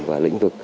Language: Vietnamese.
và lĩnh vực